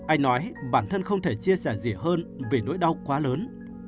anh nói bản thân không thể chia sẻ gì hơn vì nỗi đau quá lớn